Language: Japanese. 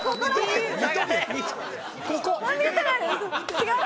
違う？